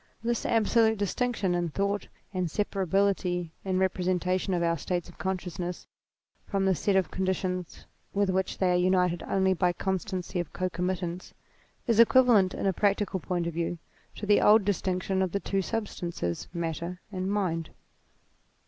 This absolute distinction in thought and IMMORTALITY 201 separability in representation of our states of con sciousness from the set of conditions with which they are united only by constancy of concomitance, is equivalent in a practical point of view to the old distinction of the two substances, Matter and Mind.